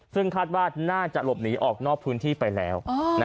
ซึ่งคาดว่าน่าจะหลบหนีออกนอกพื้นที่ไปแล้ว